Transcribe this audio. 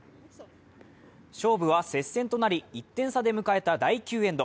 勝負は接戦となり、１点差で迎えた第９エンド。